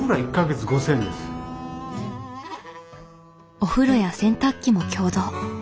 お風呂や洗濯機も共同。